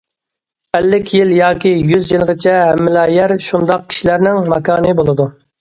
ئەللىك يىل ياكى يۈز يىلغىچە ھەممىلا يەر شۇنداق كىشىلەرنىڭ ماكانى بولىدۇ.